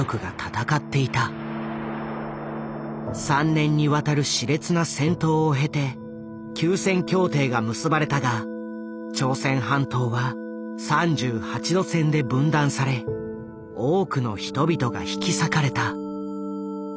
３年にわたるしれつな戦闘を経て休戦協定が結ばれたが朝鮮半島は３８度線で分断され多くの人々が引き裂かれた。